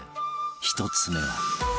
１つ目は